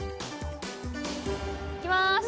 いきます！